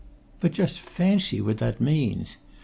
But just fancy what that means!